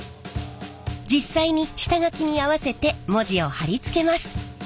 実際に下書きに合わせて文字を貼り付けます。